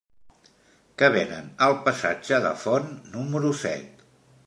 Què venen al passatge de Font número set?